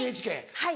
はい。